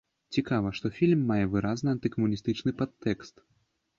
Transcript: Цікава, што фільм мае выразна антыкамуністычны падтэкст.